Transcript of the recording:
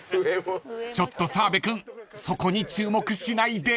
［ちょっと澤部君そこに注目しないで］